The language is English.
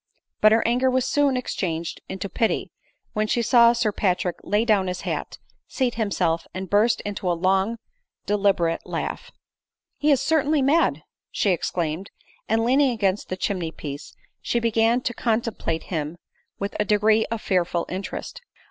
But her anger was soon changed into pity, when she saw Sir Patrick lay down his hat, seat himself, and burst into a long, deliberate laugh. " He is certainly mad !" she exclaimed ; and leaning against the chimney piece, she began to contemplate him with a degree of fearful interest.